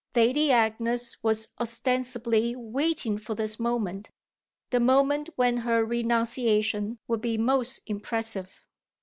Lady Agnes was ostensibly waiting for this moment the moment when her renunciation would be most impressive.